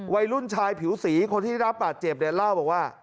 วัยรุ่นชายผิวสีคนที่ได้รับบาดเจ็บเนี่ยเล่าบอกว่า